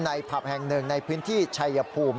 เนี่ยผลัพธิแห่งนึงในพื้นที่ชายภูมิ